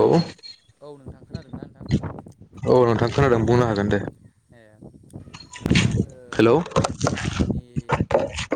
औ औ नोंथां खोनादोंना नोंथां? औ नोंथां खोनादों बुंनो हागोन दे। [unintelligible] हेलौ। जोंनि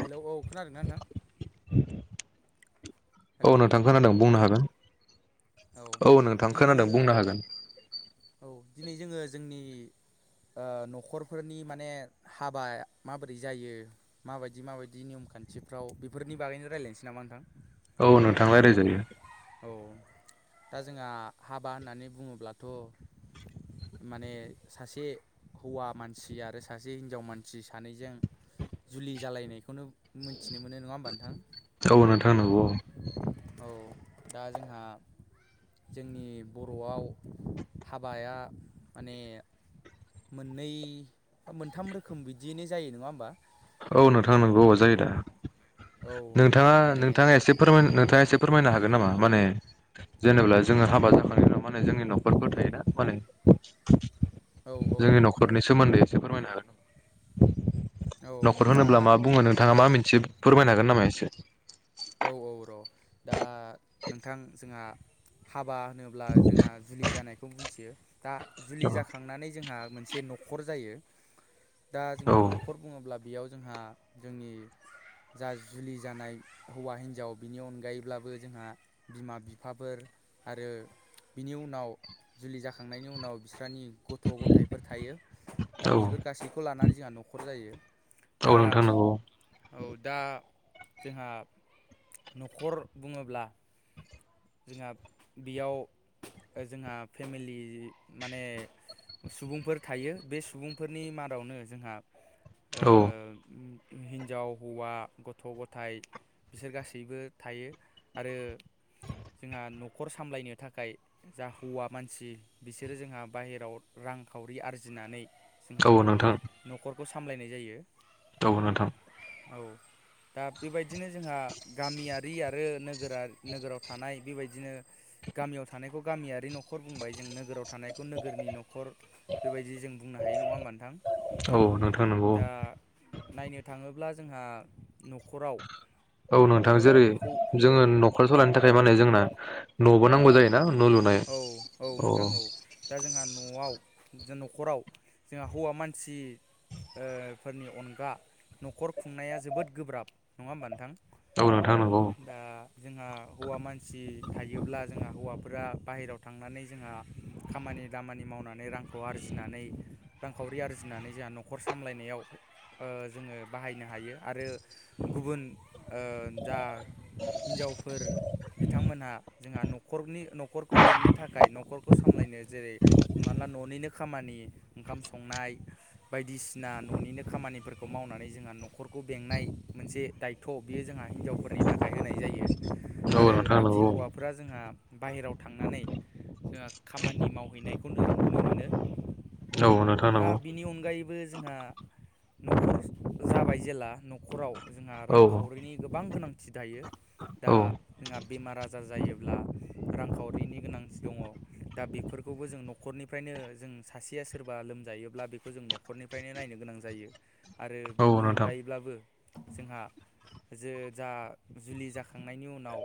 हेलौ औ खोनादोंना नोंथां [inaudible] औ हेलौ नोंथां खोनादों बुंनो हागोन। औ नोंथां दिनै खोनादों जोङो बुंनो हागोन। औ दिनै जोङो जोंनि ओ न'खरफोरनि माने हाबा माबोरै जायो माबायदि माबायदि नियम खान्थिफ्राव बेफोरनि बागैनो रायलायनोसै नामा नोंथां? औ नोंथां लायराय जायो। औ दा जोंहा हाबा होननानै बुङोब्लाथ' माने सासे हौवा मानसि आरो सासे हिनजाव मानसि सानैजों जुलि जालायनायखौनो मोनथिनो मोनो नङा होमबा नोंथां? औ नोंथां नोंगौ। औ दा जोंहा जोंनि बर'आव हाबाया माने मोननै बा मोनथाम रोखोम बिदियैनो जायो नङा होमबा? औ नोंथां नोंगौ अ जायो दा औ नोंथाङा माने नोंथाङा एसे फोरमाय नोंथाङा एसे फोरमायनो हागोन नामा माने जेनेब्ला जोङो हाबा जाखांनायनि उनाव माने जोंनि नखरफोर थायोना माने [inaudible] औ औ जोंनि न'खरनि सोमोन्दै एसे फोरमायनो हागोन औ न'खर दा होनोब्ला मा बुङो नोंथाङा मा मोनथियो फोरमायनो हागोन नामा एसे? औ औ र' दा नोंथां जोंहा हाबा होनोब्ला जोंहा जुलि जानायखौ मोनथियो, दा जुलि औ जाखांनानै जोंहा मोनसे न न'खर जायो दा जोंहा नखर बुङोब्ला बेयाव जोंहा जोंनि जा जुलि जानाय हौवा हिन्जाव बिनि अनगायैब्लाबो जोंहा बिमा बिफाफोर आरो बिनि उनाव जुलि जाखांनायनि उनाव बिस्रानि गथ' गथाइफोर थायो दा औ बिफोर गासैखौ लानानै जोंहा न'खर जायो। औ दा नोंथां नंगौ। औ दा जोंहा न'खर बुङोब्ला जोंहा बेयाव जोंहा फेमिलि माने सुबुंफोर थायो बे सुबुंफोरनि मादावनो जोंहा ओ औ हिनजाव हौवा गथ' गथाइ बिसोर गासैबो थायो, आरो जोंहा न'खर सामलायनो थाखाय जा हौवा मानसि बिसोरो जोंहा बाहेराव रां खावरि आरजिनानै औ जोंहा नोंथां न'खरखौ सामलायनाय जायो। औ नोंथां। औ दा बेबायदिनो जोंहा गामियारि आरो नोगोरारि नोगोराव थानाय बेबायदिनो गामियाव थानायखौ गामियारि न' न'खर बुंबाय जों नोगोराव थानायखौ नोगोरनि न'खर बेबायदि जों बुंनो हायो नङा होमबा नोंथां औ नोंथां नंगौ औ दा नायनो थाङोब्ला जोंहा न'खराव औ नोंथां ओ जेरै हौ जोङो औ न'खर सालायनि थाखाय मा होन जोंना न'बो नांगौ जायोना लुनाय औ औ अ नोंथां औ दा जोंहा न'आव जों न'खराव जोंहा हौवा मानसि फोरनि अनगा न'खर खुंनाया जोबोद गोब्राब नङा होमबा नोंथां। औ नोंथां नंगौ। दा जोंहा हौवा मानसि थायोब्ला जोंहा हौवाफोरा बाहेरायाव थांनानै जोंहा खामानि खामानि दामानि मावनानै रांखौ आरजिनानै रांखावरि आरजिनानै जोंहा न'खर सामलायनायाव ओ जोङो बाहायनो हायो आरो गुबुन ओ जा हिनजावफोर बिथांमोनहा जोंहा न'खरनि न'खरखौ बेंनो थाखाय न'खरखौ सामलायनो जेरै हम बा न'निनो खामानि ओंखाम संनाय बायदिसिना न'निनो खामानिफोरखौ मावनानै जों जोंहा न'खरखौ बेंनाय मोनसे दायथ' बियो जोंहा हिनजावफोर नि थाखाय होनाय जायो औ आरो नोंथां बाखि नंगौ हौवाफोरा जोंहा बाहेरायाव थांनानै जोंहा खामानि मावहैनायखौनो नुनो मोनो। औ नोंथां नंगौ। बो जोंहा नखर जाबाय जेब्ला न'खराव जोंहा औ रांखावरिनि गोबां गोनांथि दायो दा औ जोंहा बेमार आजार जायोब्ला रांखावरिनि गोनांथि दङ दा बेफोरखौबो जों न'खरनिफ्रायनो जों सासेया सोरबा लोम जायोब्ला बेखौ जों न'खरनिफ्रायनो नायनो गोनां जायो। आरो औ बिनि नोंथां अनगायैब्लाबो जोंहा जे जा जुलि जाखांनायनि उनाव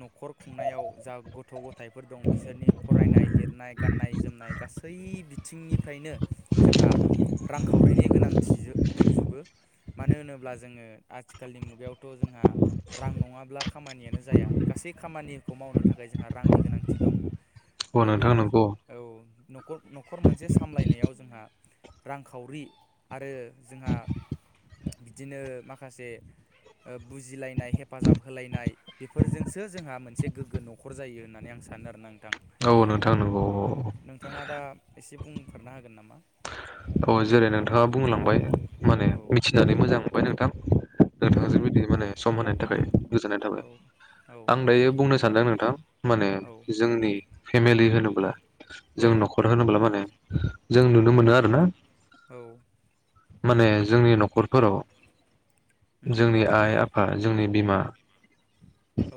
न'खर खुंनायाव जा गथ' गथायफोर दं बिसोरनि फरायनाय लिरनाय गाननाय जोमनाय गासै गासै बिथिंनिफ्रायनो जोंहा रांखावरिनि गोनांथि दंजोबो मानो होनोब्ला जोङो आथिखालनि मुगायावथ' जोंहा रां नङाब्ला खामानियानो जाया गासै खामानिखौ मावनो थाखाय जोंहा रांनि गोनांथि दं। औ अब्ला नोंथां नंगौ औ नखर न'खर मोनसे सामलायनायाव जोंहा रांखावरि आरो जोंहा बिदिनो माखासे ओ बुजिलायनाय हेफाजाब होलायनाय बेफोरजोंसो जोंहा मोनसे गोग्गो न'खर जायो होननानै आं सानो आरो नोंथां। औ नोंथां। औ नोंथाङा दा एसे बुंफोरना हागोन नामा? औ जेरै नोंथाङा बुंलांबाय माने औ मिथिनानै मोजां मोनबाय नोंथां। औ नोंथांजों बिदि माने सम होनायनि थाखाय गोजोननाय थाबाय। औ आं दायो बुंनो सानदों नोंथां माने जोंनि फेमेलि होनोब्ला औ जों न'खर होनोब्ला माने जों नुनो मोनो आरो ना औ। माने जोंनि न'खरफोराव उम जोंनि आइ आफा जोंनि बिमा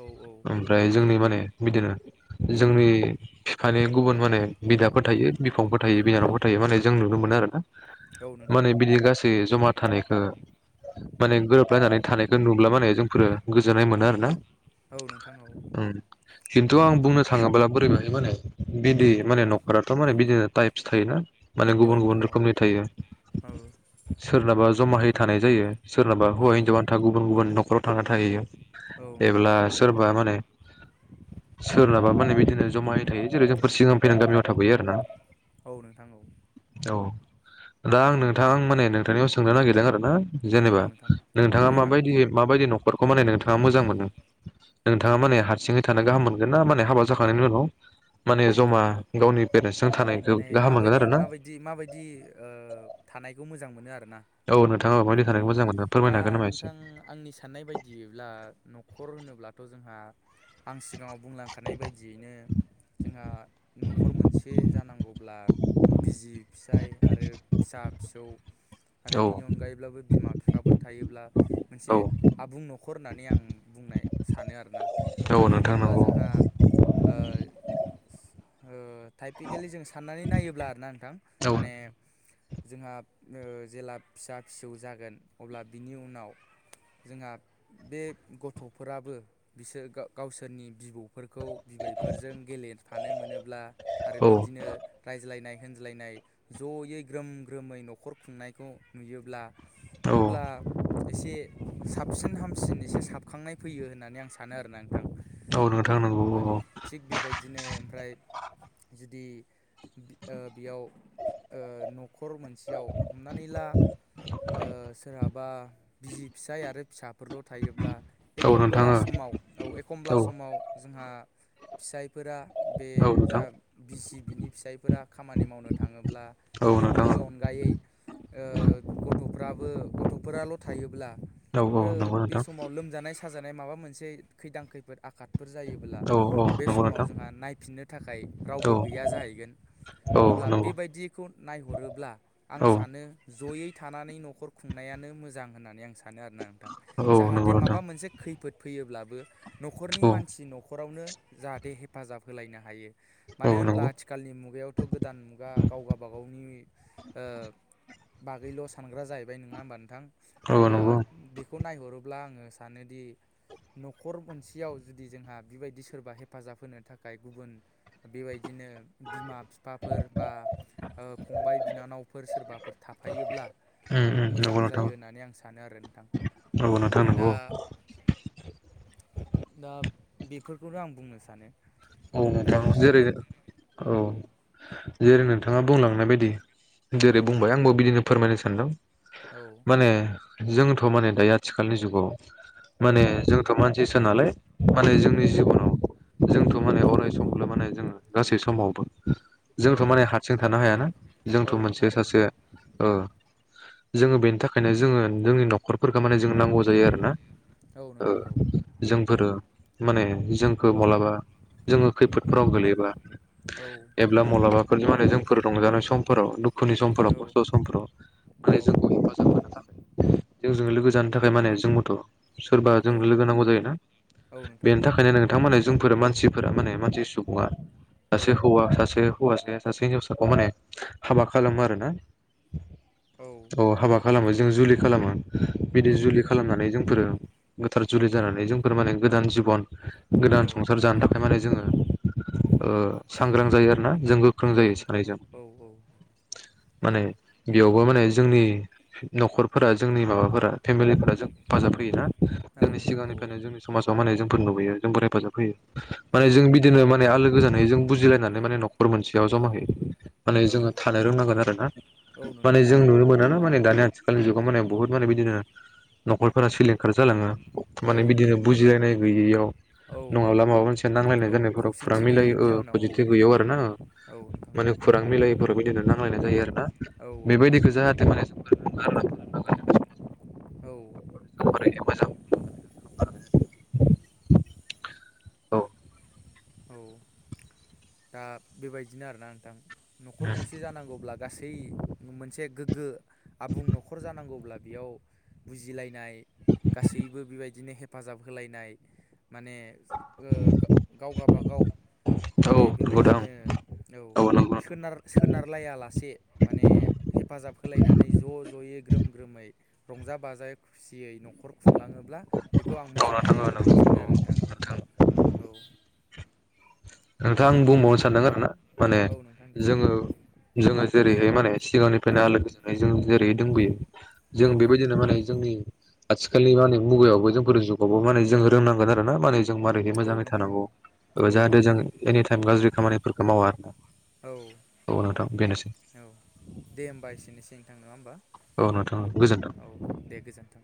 औ औ ओमफ्राय जोंनि माने बिदिनो जोंनि बिफानि गुबुन माने बिदाफोर थायो बिफंफोर थायो बिनानावफोर थायो माने जों मोनो आरोना औ नोंथां माने औ बिदि गासै जमा थानायखो माने गोरोबलायनानै थानायखौ नुब्ला माने जोंफोरो गोजोननाय मोनो आरो ना। औ नोंथां औ उम खिन्थु आं बुंनो थाङोब्ला बोरै बेरैहाय माने बिदि औ माने न'खराथ' माने बिदिनो टाइप्स थायोना माने औ गुबुन गुबुन नोंथां औ नोंथां औ रोखोमनि थायो। औ सोरनाबा जमाहै थानाय जायो सोरनाबा हौवा हिनजाव आन्था गुबुन गुबुन न'खराव थांना थाहैयो। ब्ला सोरबा माने सोरनाबा माने बिदिनो जमायै थायो जेरै जोंफोर सिगां फैनानै गामियाव थाफैयो आरोना नोंथां औ औ, दा आं नोंथां माने नोंथांनियाव सोंनो नागिरदों आरो ना औ जेनेबा नोंथां नोंथाङा दे हागोन माबायदि दे माबायदि न'खरखौ माने नोंथाङा मोजां मोनो? नोंथाङा माने हारसिङै थानो गाहाम मोनगोन ना माने हाबा जाखांनायनि उनाव माने जमा गावनि पेरेन्टसजों औ थानायखौ माने गाहाम मोनगोन माबायदि आरो ना माबायदि माबायदि ओ थानायखौ मोजां मोनो आरो औ नोंथाङा माबायदि थानायखौ मोजां मोनो? दा फोरमायनो हागोन नामा एसे नोंथां आंनि साननाय बायदियैब्ला न'खर होनोब्लाथ' जोंहा आं सिगाङाव बुंलांखानाय बायदियैनो जोंहा न'खर मोनस से जानांगौब्ला बिजि फिसाय आरो फिसा फिसौ आरो औ बिनि अनगायैब्लाबो बिमा फिफाफोर थायोब्ला मोनसे औ आबुं न'खर होननानै आं बुंनाय सानो आरोना। औ मानो नोंथां होनोब्ला नंगौ जोंहा ओ ओ टाइपपिकेलि जों साननानै नायोब्ला आरोना नोंथां औ माने जोंहा ओ जेला फिसा फिसौ जागोन अब्ला बिनि उनाव जोंहा बे गथ'फोराबो बिसोर गा-गावसोरनि बिबौ फोरखौ बिबैफोरजों गेलेफानो मोनोब्ला आरो औ बिदिनो रायज लायनाय होनज्लायनाय जयै ग्रोम ग्रोमै न'खर खुंनायखौ नुयोब्ला औ अब्ला एसे साबसिन हामसिन एसे साबखांनाय फैयो होननानै आं सानो आरोना नों थां‌ औ नोंथां नंगौ अब्ला औ थिग बेबायदिनो ओमफ्राय जुदि ओ बेयाव ओ न'खर मोनसेयाव हमनानै ला ओ‌ सोरहाबा बिजि फिसाय आरो फिसाफोरल' थायोब्ला औ एखमबोला नोंथाङा समा आव औ एखमब्ला औ समाव जोंहा फिसायफोरा बे औ जा नोंथां बिसि बिनि फिसायफोरा खामानि मावनो थाङोब्ला औ आरो नोंथाङा बिनि औ अनगायै ओ गथ'फ्राबो गथ'फोराल' थायोब्ला औ‌ औ आरो नोंगौ बे नोंथां। समाव लोमजानाय साजानाय माबा मोनसे खैदां खैफोद आखादफोर जायोबोला औ औ बे नंगौ समाव नोंथां जोंहा नायफिननो थाखाय औ रावबो गैया जाहैगोन औ अब्ला नंगौ बेबायदिखौ नायहरोब्ला आं औ सानो जयै थानानै न'खर खुंनायानो मोजां होननानै आं सानो आरोना नोंथां। औ नंगौ जाहाथे नोंथां माबा मोनसे खैफोद फैयोब्लाबो न'खरनि औ मानसि न'खरावनो जाहाथे हेफाजाब होलायनो हायो। औ मानो होनब्ला नंगौ आथिखालनि मुगायावथ' गोदान मुगा गावगा बागावनि ओ बागैल' सानग्रा जाहैबाय, नङा होमबा नोंथां? औ अब्ला नंगौ बेखौ नायहरो ब्ला आङो सानोदि न'खर मोनसेयाव जुदि जोंहा बिबायदि सोरबा हेफाजाब होनो थाखाय गुबुन बेबाय दिनो बिमा फिफाफोर बा ओ‌ फंबाय बिनानावफोर सोरबाफोर थाफायोब्ला उम उम नंगौ मोजां जायो होननानै आं सानो आरो नोंथां। औ नोथां दा नोंगौ औ दा बेफोरखौनो आं बुंनो सानो औ दा नोंथां जेरै नों औ जेरै नोंथाङा बुंलांनाय बायदि जेरै औ बुंबाय आंबो बिदिनो फोरमायनो सानदों औ माने। जोंथ' माने दायो आथिखालनि जुगाव माने जोंथ' मानसिसो नालाय। माने औ जोंनि नोंथां औ जिबनाव जोंथ' औ माने अराय समखौल' माने जोंङो गासै समावबो। जोंथ' औ माने हारसिं थानो हायाना औ जोंथ' मोनसे नोंथां औ सासे ओ जोंङो बेनि थाखायनो जोंङो जोंनि न'खरफोरखौ माने जों नांगौ जायो आरो ना। औ ओ नोंथां औ जोंफोरो माने जोंखौ मालाबा जोंङो खैफोदफ्राव गोलैयोबा औ एब्ला मलाबाफोर माने जोंफोर रंजानाय समफोराव दुखुनि समफोराव औ खस्थ' समफोराव माने औ जोंखौ हेफाजाब होनो थाखाय जोंजों लोगो जानो थाखाय माने जोंबोथ सोरबा जों औ लोगो नांगौ जायोना औ नोंथां बेनि औ थाखायनो नोंथां माने जोंफोर मान मानसिफोरा माने मानसि सुबुंङा औ सासे हौवा सासे हौवाया सासे हिनजावसा माने हाबा खालामो आरोना औ हाबा खालामो। जों जुलि खालामो बिदि औ जुलि नोंथां खालामनानै औ जोंफोरो। गोथार जुलि जानानै जोंफोर माने गोदान जिबन गोदान औ संसार जानो थाख जोंङो ओ सांग्रां जायो आरोना। जों गोख्रों औ जायो नोंथां औ सानैजों। औ माने बेयावबो माने जोंनि नखर फोरा जोंनि माबाफोरा फेमिलिफोरा जों हेफाजाब होयोना औ जोंनि नोंथां औ सिगांनिफ्रायनो जोंनि समाजाव माने जोंफोर नुबोयो। जोंबो हेफाजाब होयो। औ माने जों बिदिनो माने आलो गोजोनै जों बुजिलायनानै माने नखर मोनसेयाव जमा होयो माने औ जोंङो। थानो रोंनांगोन आरोना औ नोंथां माने औ जों नुनो मोनोना माने दानि आथिखालनि जुगाव माने बुहुत माने बिदिनो। नखरफोरा सिलिंखार जालांङो औ माने बिदिनो नोंथां औ बुजिलायनाय गैयैयाव औ नङाब्ला। मोनसिया नांलायनाय औ जानायाव फुरा खौसेथि मिलायै गैयैनि जाहोनाव पजिटिभ गैयाव आरो ना। औ नोंथां माने खौरां मिलायैफोर बिदिनो नांलायनाय जायो आरोना औ औ नोंथां बेबायदिखौ जाहाथे माने [unintelligible] औ। औ जोबोरैनो मोजां। औ। औ दा बेबायदिनो आरोना नोंथां नखर गंसे जानांगौब्ला गासै मोनसे गोग्गो आबुं नखर जानांगौब्ला बेयाव बुजिलायनाय गासैबो बेबायदिनो हेफाजाब होलायनाय माने ओ गाव गाबागाव औ माने नंगौ दां बेबायदिनो औ सोनार सोनारलाया लासे माने हेफाजाब होलायनानै ज' ज'यै ग्रोम ग्रोमै रंजा बाजायै खुसियै न नखर खुंलांङोब्ला बेखौ आं मोजां नोंथां जायो औ नोंथां औ होननानै नंगौ औ सानो आरो नोंथां औ औ। नोंथां आं बुंबावनो सानदों आरोना माने औ नोंथां दे जोंङो जोंङो जेरैहाय माने सिगांनिफ्रायनो आलो गोजोनै जों जेरैै दोंबोयो। औ जों बेबायदिनो माने जोंनि आथिखालनि माने मुगायावबो जोंफोर जुगावबो माने जों रोंनांगोन आरोना माने जों मारोहाय औ मोजांङै नोंथां औ थानांगौ, औ जाहाथे नोंथां जों औ एनिटाइम गाज्रि खामानिफोरखौ मावा, औ औ नोंथां बेनोसै। औ दे होमबा एसेनोसै नोंथां नङा औ नोंथां गोजोन्थों होमबा औ। दे गोजोन्थों।